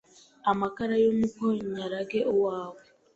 Amakara y’umuko nyarage uwawe ;